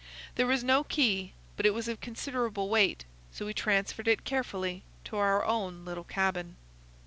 There was no key, but it was of considerable weight, so we transferred it carefully to our own little cabin.